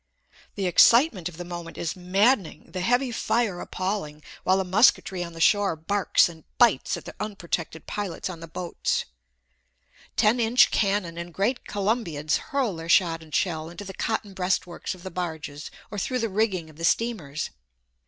The excitement of the moment is maddening, the heavy fire appalling, while the musketry on the shore barks and bites at the unprotected pilots on the boats. Ten inch cannon and great columbiads hurl their shot and shell into the cotton breastworks of the barges or through the rigging of the steamers.